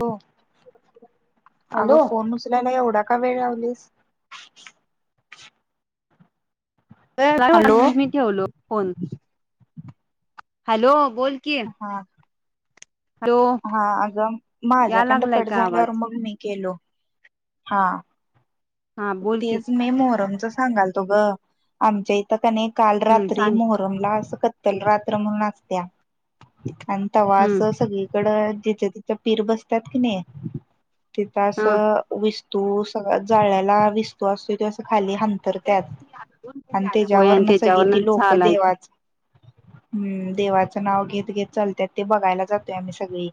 हो हॅलो अगं फोन उचलायला एवढा का वेळ लावलीस का म्हणून हा मी ठेवलो फोन हॅलो बोल की. हा हॅलो हा अगं या माझ्याकंडन लागलाय कट का आवाज झाल्यावर मग मी केलो हा. हा बोल की तेच मे मोहरमचा सांगाल तु ग आमच्या इथं का नाही काल हम्म रात्री सांग मोहरमला अस तरल रात्र म्हणूनचत्या आणि तवा अस हम्म सगळी. तिकड जिचं तिचं पीर बसतात की नाही तिथं हा असं वि तू सगळ जाळ्याला विस्तो असतो त असं खाली ह. तर त्यात आणि होय त्याच्यावर आणि न सगळी त्याच्यावरन ती लोक चालायचं देवाच हम्म! देवाचं नाव घेत घेत चालतात ते बघायला जातोय आम्ही सगळी.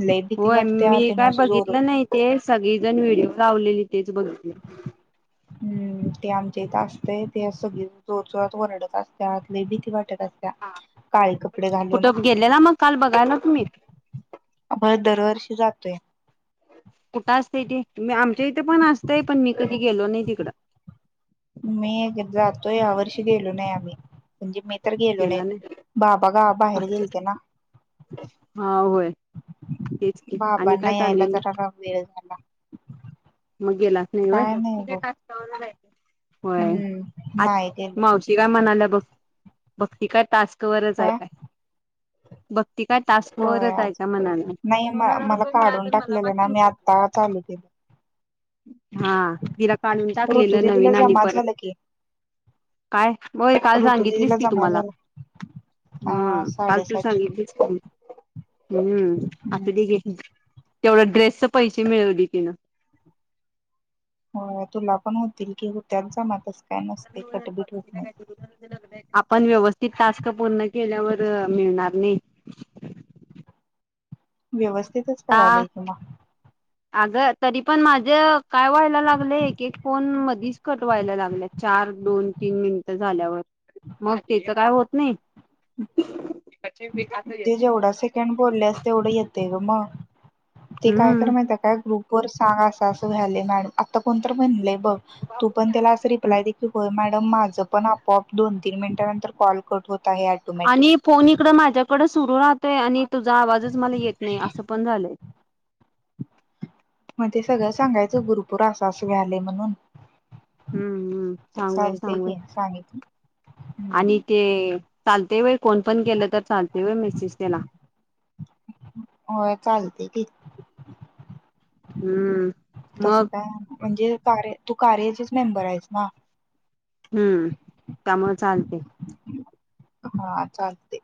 लय भीती होय वाटत्या मी तेनी काय असं जोर बघितलं नाही ते सगळी जण व्हिडिओ लावलेली तेच बघतील. हम्म! ते आमच्या इथे असते ते सगळी जोर जोरात ओरडत असतेत लय भीती वाटत असते. काळे कपडे घालून. गेले ना मग काल बघाय ना तुम्ही. ब दरवर्षी जातोय. कुठं असतं इ तेे्ी आमच्या इथे पण असतंय पण मी कधी गेलो नाही तिकडं मी जातोय या वर्षी गेलो नाही आम्ही म्हणजे मी तर गेलो नाही. बाबा गा बाहेर गेलते ना हा होय. तेच की बाबा आणि काय नाही यायला चाललंय मग जराला वेळ झाला. मग गेलाच काय नाही बघ नाहीय होय हम्म नाही गेलो मावशी शिव्या म्हनायला नको बघती काय टास्क वरच आहे काय भक्ती काय होय टास्कवरच आहे का म्हणाला अजून नाही म मला काढून टाकलेलं ना मी आता चालू के हा तिला काढून ऋतू टाकलेलं दिदीला नवीन आणि जमा परत. झालं की काय बर काल ऋतू सांगितलीस दिदीला ती जमा तुम्हाला. झालं. हा काल तू सांगितलीच की. हम्म आता तेवढं ड्रेसच पैसे मिळवले तिनं हो तुला पण होतील की हो त्यांचा मातस काय नसते कटबीट होत नाही. आपण व्यवस्थित टास्क पूर्ण केल्यावर मिळणार नाही. व्यवस्थितच आ करायलोय कि मग अगं तरी पण माझं. काय व्हायला लागलं एक एक फोन मधीच कटवायला लागल्या चार, दोन, तीन मिनिटं झाल्यावर मग तेच काय होत नाही. जे जेवढा सेकंड बोललेस तेवढं येते ग मग. ते काय कर हम्म माहि काय ग्रुप वर सांग असं असं झालंय मॅडम आता कोणत म्हणलेय बघ. तू पण त्याला अस रिप्लाय दे की होय मॅडम माझं पण आपोआप दोन तीन मिनटानंतर कॉलकट होत आहे ऑटोमॅटिक आणि फोन इकड माझ्याकडे सुरू राहतोय आणि तुझा आवाजच मला येत नाही असं पण झालंय. मग ते सगळं सांगायचं ग्रुप वर असं असं व्हायलय म्हणून हम्म हम्म सांगूया चालतय की सांगूया सांगितलं आणि ते चालते वय कोण पण केलं तर चालते वय मेसेज त्याला होय चालते कि हम्म तस मग काय म्हणजे कार्य तू कार्याचेच मेंबर आहेस ना हम्म त्यामुळे चालते हा चालते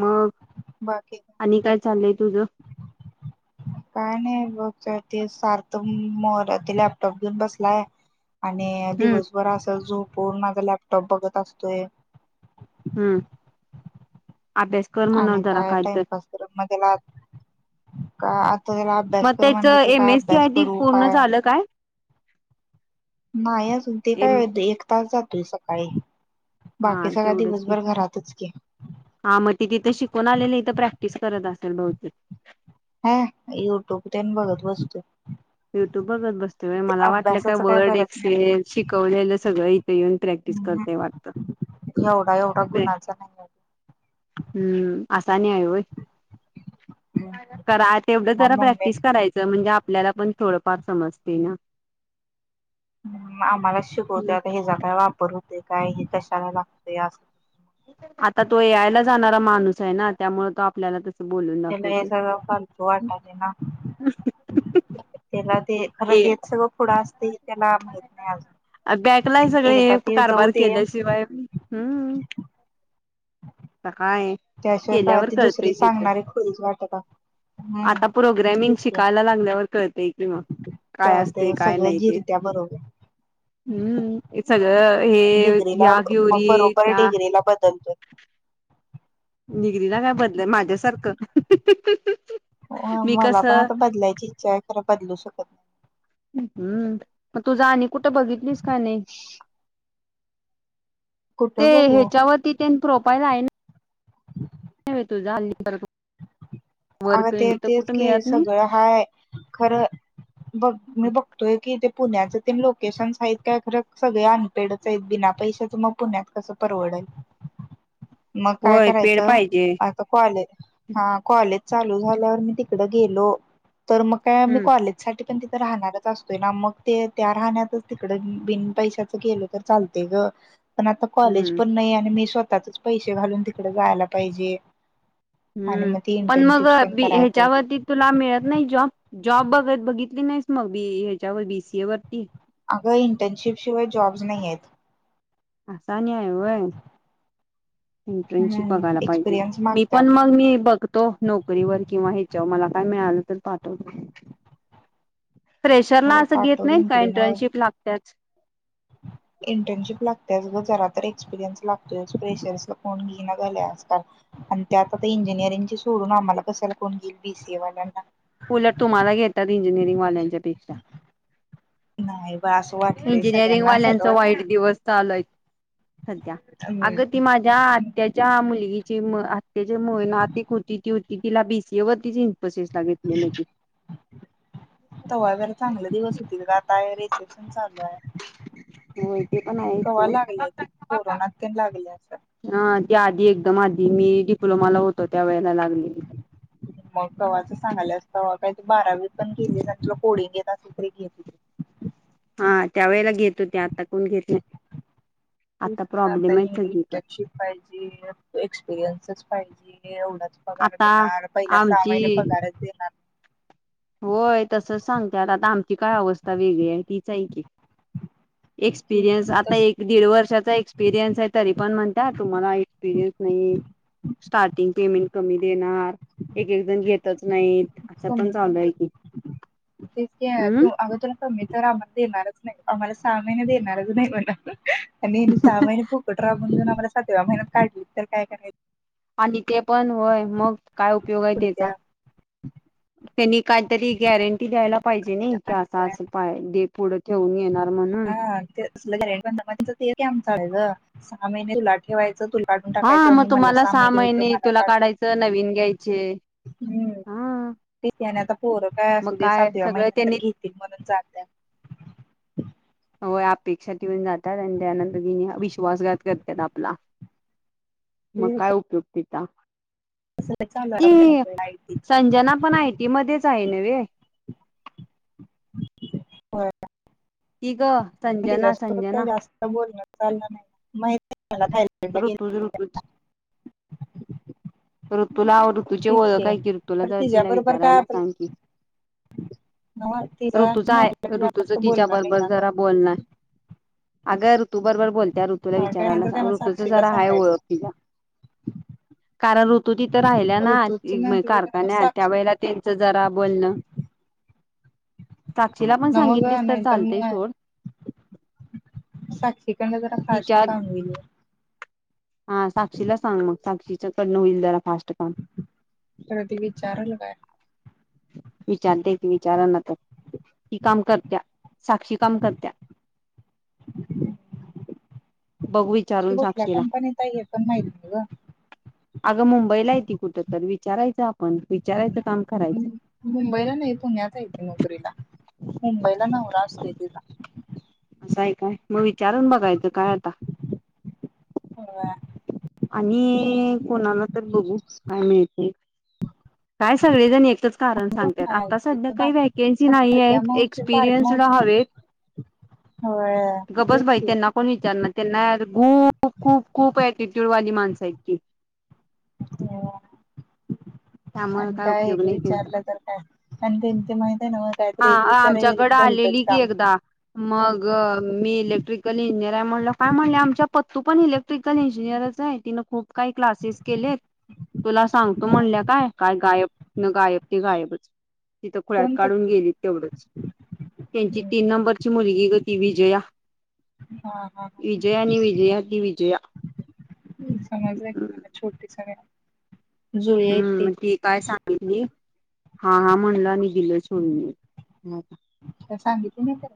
मग बाकी आणि काय चालय तुझं काय नाही बघ ते सारथ मो लॅपटॉप घेऊन बसलाय आणि हम्म दिवसभर असं झोपून माझा लॅपटॉप बघत असतोय हम्म अभ्यास कर मनव जरा काय तर तर तर मग त्याला का त त्याला मग अभ्यासकर त्याच म्हटलं की एम काय एस सी आय अभ्यास टी करू पूर्ण काय झालं नाही अजून ते एम काय आताच जातोय सकाळी हा बाकी सगळा तेवढंच की दिवसभर घरातच की हा मग ती तिथं शिकून आलेली इथ तर प्रॅक्टिस करत असेल बहुतीक हा युट्यूब त्यांनी बघत बसतोय युट्यूब बघत बसते मला वाटलं काय अभ्यासाच वर्ड करत नाही एक्सेल शिकवलेलं सगळं इथे येऊन प्रॅक्टिस करत ते वाटतं एवढा एवढा गुणाचा नाही हम्म आसानी आहेय वय मग करा तेवढंच जरा मम्मी प्रॅक्टिस करायचं म्हणजे आपल्याला पण थोडं फार समजतेय ना आम्हाला शिकवते आता हे जगा वापर होते काय हे कशाला लागते अस आता तो यायला जाणारा माणूस आहे ना त्यामुळे तो आपल्याला तसं बोलून त्याला हे दाखवतोय सगळं फालतू वाटायलय ना त्याला ते खरं ए हेच सगळं पुढं असतय बॅकला सगळे एकदा हे ते जाऊ कारभार दे केल्याशिवाय हम् सकाळी त्याशिय काळात त दुसरी सांगणारी खुळीच वाटत हम्म आता प्रोग्रॅमिंग तेच की शिकायला लागल्यावर कळत मग काय असते कळतय काय सगळं नाही ते जिरत्या बरोबर हम्म हे सगळं हे डिग्रीला या मग क्युरी बरोबर त्या डिग्रीला बदलतोय निगरी ना काय बदल माझ्यासारखं मी मला पण कसं आता बदलायची इच्छा आहे खरं बदलू शकत नाही हम्म मग तुझा आणि कुठं बघितलीस का नाही ते कुठं बघू ह्याच्यावरती प्रोफाईल आहे ना [unintelligible] [inaudible] अग वर्क ते तर तेच कुठं की मिळत नाही सगळं हाय खरं बघ मी बघतोय की ते पुण्याचे ते लोकेशन्स आहेत काय खरं सगळे आण पेडच बिना पैशाच मग पुण्यात कसं परवडल मग काय होय पेड करायचं पाहिजे कॉलेज हा कॉलेज चालू झाल्यावर मी तिकड गेलो तर मग काय मी हम्म कॉलेज साठी पण तिथं राहणारच असतोय ना मग ते त्या राहण्यातच तिकड बिन पैशाच गेल तर चालते ग पण आता कॉलेज हम्म पण नाही आणि मी स्वतःचच पैसे घालून तिकडे जायला पाहिजे आणि हम्म मग ती पण मग इंटर्नशिप्स तेन बी करायला पाहिजे ह्याच्यावरती तुला मिळत नाही जॉब जॉब बघत बघितली नाहीस मग बी ह्याच्यावर बी सी ए वरती अगं इंटर्नशिपशिवाय जॉब्स नाही आहेत. आसा न्याय आहे वय. इंटर्नशिप हम्म. बघायला पाहिजे एक्सपिरियन्स मी मागतात पण मग मी बघतो नक नोकरी व किंवा ह्याच्यावर मला काय मिळालं तर पाठवत. प्रेशरला हो असं घेत पाठव नाही का लिंकडीन वर. इंटर्नशिप लागतच. इंटर्नशिप लागते जरा तर एक्सपिरियन्स लागतोय प्रेशरस कोण घेईना झालाय आजकाल. आणि त्या आता इंजिनिअरिंग सोडून आम्हाला कसायला कोण घेईल बी सी ए वाल्यांना. उलट तुम्हाला घेतात इंजिनिअरिंग वाल्यांच्या पेक्षा नाही बा असं वाटतंय इंजिनिअरिंग सगळ्यांना असंच वाल्यांचा वाटत. वाईट दिवस चालू आहेत. सध्या हम्म. अग ती माझ ज्या आत्याच्या मुलगीची म आत्याचे म ना आतिक होती ती होती तिला बी सी ए वरती जि कसेस लागितलेलं क तव्हागर चांगले दिवस होतील का आताय रिसेप्शन चालू आहे. होय ते पण आहे कवा्हा सोड लागल्या त कोरोनात प लागल्या अस ह ते आधी एकदम आधी मी डिप्लोमाला होतो त्या वेळेला लागलेली. [unintelligible] मग कव्हाचं सांगाला असत काय तू बारावी पण केेली आणि तुला कोडिंग घेत तु तरी घेतली. हा त्या वेळेला घेत होते आता कोण घेत नाही आता प्रॉब्लेम आहेत सगळीकडे फाय जी एक्सपिरियन्स पाहिजे एवढाच पगार आता देणार पहिला आमची सहामाहिने पगारच देणार होय तसच सांगतत आता आमची काय अवस्था वेगळी आहे तीच आहे की. तेच एक्सपिरियन्स ना आता तस एक दीड वर्षाचा एक्सपिरियन्स आहे तरी पण म्हणत तुम्हाला एक्सपिरियन्स नाही. स्टार्टिंग पेमेंट कमी देणार एक एक जण घेतच नाही अस कमी पण चालू आहे की म्हणजे तेच हम् तू अगोदर मी तर आम्हाला देणारच नाही आम्हाला सहा महिने देणारच नाही म्हणत आणि सहा महिने खूप अठरा बनजून आ्हाला सातव्या मेनत काढली तर काय करायची आणि ते पण होय मग काय उपयोग आहे पुढच्या त्याचानी. काहीतरी गॅरंटी द्यायला पाहिजे नाही की असा असे पा पुढं ठेऊून येणार म्हणून घ ते आमय ग साहा महिने. ठेवायचं तूला काढून हा टाकायचं मग मला तुम्हाला साम सहा घ्यायचं महिने मला तुला काढ काढायचं नवीन घ्यायचे हम्म हा ते त्याने आता पोरं काय मग असू दे्या सातव्या सगळं महिन्यात तर त्यांनी घेतील म्हणून जात व अपेक्षा ठेऊन जातात आणि त्यानंतर विश्वासघात करतात आपला मग काय उपयोग तेचा. चालू ती मुंबईला आयटीत. संजना पण आयटी मध्येच आहे नव्हे. होय. तीग. तिच्यासोबत काय जास्त बोलण चाललं नाही ख ऋतूच ऋतूज ऋतू लाव. तुझ गेलतीच ओळ काय की ऋतूला खरं तिच्या जरदीला बरोबर काय विचारायला आपलं सांग की नव्ह तिचं ऋतूचा आणि आहे आपलं ऋतूच जास्त तिच्या बोलणं नाही बरोबर ना गं. जरा बोलणार अगं ऋतू बरोबर बोलत्या ऋतूला हा काय नाही विचारायला तर काय मग ऋ साक्षीला जरा आहे सांगायचं ओळख तीला. कारण ऋतू तिथं राहिल्या ऋतूच ना नसलं तर मग कारखान्यात साक्षी त्यावे त्यांच जरा बोलण. साक्षीला पण नव्ह सांगितलीस तर चालते सोड. साक्षी कंड जरा फास्ट तिच्या काम गेल. हा साक्षीला सांग मग साक्षीच्याकडनं होईल जरा फास्ट काम तर ती विचारल काय. विचारते त विचाराना तर ती काम करत्या साक्षी काम करत्या बघूवी ती कुठल्या कंपनीत आहे हे पण माहिती ग अगं मुंबईला हाय ती कुठं तर विचारायचं आपण विचारायचं काम करायचं मुंबईला नाही पुण्यात हाय ती नोकरीला मुंबईला नवरा असतोय तिचा असं आहे काय. मग विचारून बघायचं काय हो आणि कोणाला तर बघू काय माहिती काय सगळेजण एकच कारण सांगत्यात आता सध्या काही व्हॅकन्सी नाही आहेत एक्सपिरियन्सड हवे हो गबस बाई तेच त्यांना कोण विचारणार त्यांना गूप खूप खूप एटिट्यूड वाली माणसं आहेत की हो त्यामुळे आणि काय उपयोग एक नाही त्यांचा विचारलं तर काय आणि त्यांच्यामुळे का नाय हा आमच्याकडें आलेली की एकदा मग मी इलेक्ट्रिकल इंजिनिअर म्हणल काय म्हणलं आमच्या पत्तू पण इलेक्ट टिकल इंजिनिअरच आहे ती, नको काही क्लासेस केलेत? तुला सांगतो म्हणल्या काय काय गायब न गायब ते गायबच तिथं खुळ्यात कोण काढून तक्की? गेली तेवढच. त्यांची तीन नंबरची मुलगी ग ती विजया हा हा. विजया आणि विजया दिविजया समजल की नाय छोटीच काय हम्म ठीकय सांग [unintelligible] हा हा म्हणल आणि दिलं सोडून. म काय तुला सांगितलं नाही तर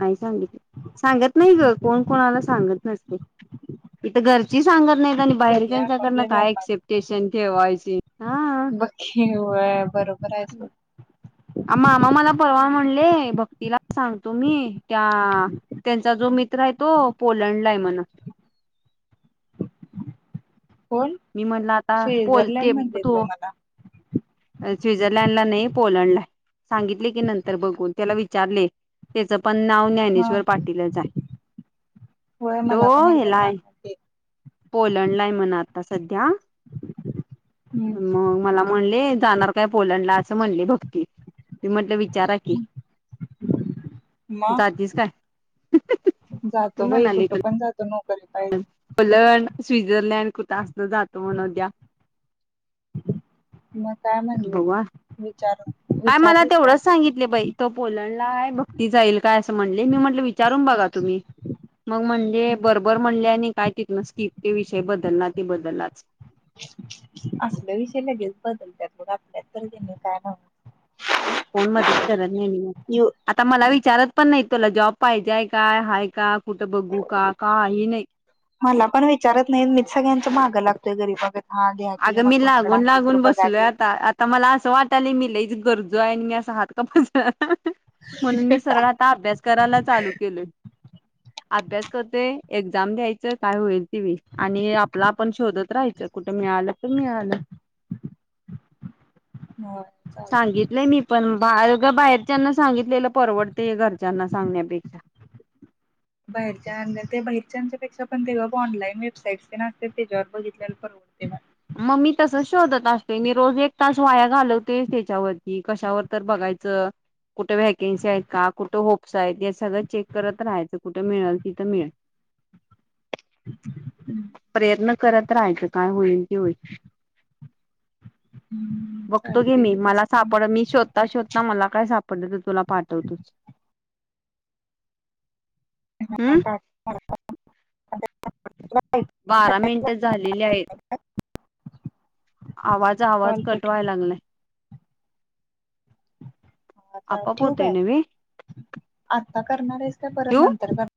नाय सांगितल. सांगत नाही ग कोण कोणाला सांगत नसते इथ घरची सांगत नाहीत आणि सगळी बाहेरच्याच्याकडनं आपापल्या काय व्यापात ऐकशील स्टेशन के वाय सी. हा केेव बरोबर आहेस मामा मला परवा म्हणले भक्तीला सांगतो मी त्या त्यांचा जो मित्र आहे तो पोलंडला आहे म्हण कोण? मी म्हणल आता बोल ते स्वित्झर्लंड म्हणलीत तू ब मला. स्वित्झर्लंड ला नाही पोलंडला हाय. सांगितलय की नंतर बघून त्याला विचारले त्याच पण नाव हा ज्ञानेश्वर पाटीलच आहे होय तो मला पण एकदा ह्याला हाय सांगालती. पोलंड ला आहे म्हणा आता सध्या मग मला म्हणले जाणार काय पोलंडला असं म्हणले भक्ती मी म्हटलं विचारा कि म ती जातो बाई म्हणाली कुठं पण जातो नोकरी पायी पोलंड, स्वित्झर्लंड कुठं असत जातो म्हण उद्या मग काय [unintelligible] म्हणलेत विचार काय मला विचारलेत तेवढंच सांगितले बाई तो पोलंडला हाय भक्ती जाईल काय असं म्हणले मी म्हटलं विचारून बघा तुम्ही मग म्हणले काय बरोबर म्हणले आणि काय तिथूनस कि ते विषय बदलला ते बदललाच असला विषय लगेच बदलत आपल्यात तर त्यांनी [unintelligible] कोण मदत करत नाही म येऊ आता मला विचारत पण नाही तुला जॉब पाहिजेय काय हाय का कुठं बघू का काही नाही मला पण विचारत नाही मीच सगळ्यांंच्या मागं लागतोय [unintelligible] की अग मग मी कोणाकडे लागून असल तर लागून बघा बसलोय की आता तर मला असं वाटायला लागलं मी लई गरजु आहे मी असा हात [unintelligible] म्हणून मी सरळ आ आता अभ्यास करायला चालू केलंय अभ्यास करते एक्झाम द्यायच काय होईल ती व आणि आपला आपण शोधत राहायचं कुठ मीळालं तर मी आलं हो सांगितलंय मी पण बा बाहेरच्याना सांगितलेलं परवडतेय घरच्यांना सांगण्यापेक्षा बाहेरच्या बाहेरच्यांच्यापेक्षा पण तेव्हा ऑनलाईन वेबसाईट नसते त्याच्यावर बघितल्याण हो ते मग मी तसच शोधत असते मी रोज एक तास वाया घालवते त्याच्यावरती कशावर तर बघायचं कुठे व्हॅकन्सी आहेत का कुठं आहेत या सगळं चेक करत राहायचं कुठे मिळेल तिथं मिळेल प्रयत्न करत राहायचं काय होईल हम्म बघतो घे चालतंय मी की मला तसं सापड मी शोध श होत ना मला काय सापडलं तर तुला पाठवतोच हा हम्म का बारा मिनिटं झालेली आहेत आवाज आवाज कॉल कट कटवाय होईल लागलाय आता आपोआप ठेवू काय होतोय नव्हे आहे आता करणार आहेस का परत ठेवू नंतर कर